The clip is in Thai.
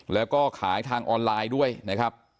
แล้วก็ขายทางออนไลน์ด้วยนะครับ